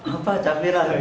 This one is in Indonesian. apa cak viral